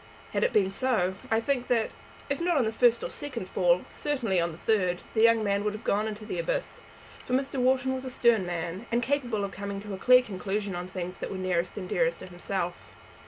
Had it been so, I think that, if not on the first or second fall, certainly on the third, the young man would have gone into the abyss; for Mr. Wharton was a stern man, and capable of coming to a clear conclusion on things that were nearest and even dearest to himself.